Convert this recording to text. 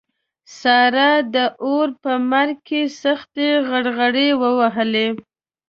سارا د اور په مرګ کې سختې غرغړې ووهلې.